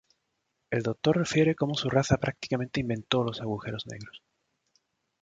El Doctor refiere cómo su raza "prácticamente inventó" los agujeros negros.